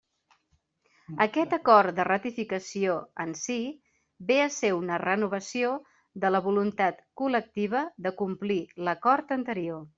Aquest acord de ratificació, en si, ve a ser una renovació de la voluntat col·lectiva de complir l'acord anterior.